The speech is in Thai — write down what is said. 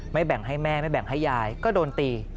แบ่งให้แม่ไม่แบ่งให้ยายก็โดนตี